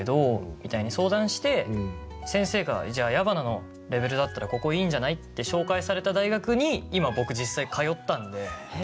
みたいに相談して先生が「じゃあ矢花のレベルだったらここいいんじゃない？」って紹介された大学に今僕実際通ったんで。